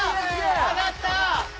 上がった！